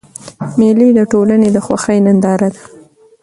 مېلې د ټولني د خوښۍ ننداره ده.